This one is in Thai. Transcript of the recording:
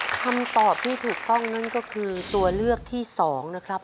คำตอบที่ถูกต้องนั่นก็คือตัวเลือกที่๒นะครับ